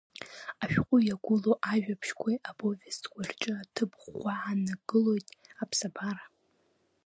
Ашәҟәы иагәлоу ажәабжьқәеи аповестқәеи рҿы аҭыԥ ӷәӷәа ааннакылоит аԥсабара.